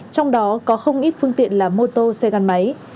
trong đó có không ít phương tiện là mô tô xe gắn máy